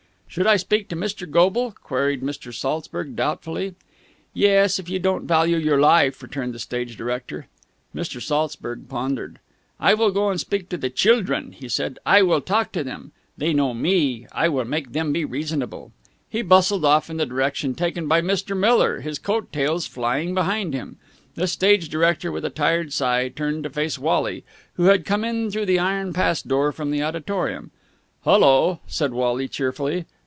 "Should I speak to Mr. Goble?" queried Mr. Saltzburg doubtfully. "Yes, if you don't value your life," returned the stage director. Mr. Saltzburg pondered. "I will go and speak to the childrun," he said. "I will talk to them. They know me! I will make them be reasonable." He bustled off in the direction taken by Mr. Miller, his coat tails flying behind him. The stage director, with a tired sigh, turned to face Wally, who had come in through the iron pass door from the auditorium. "Hullo!" said Wally cheerfully.